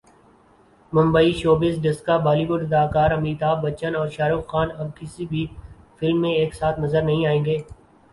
Mumbai showbiz desk Bollywood اداکار امیتابھ بچن اور شاہ رخ خان اب کسی بھی فلم میں ایک ساتھ نظر نہیں آئیں گے